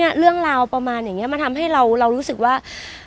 เรื่องราวประมาณอย่างนี้มันทำให้เรารู้สึกว่า